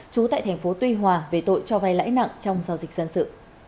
chú tại tp tuy hòa về tội cho vai lãi nặng trong giao dịch dân sự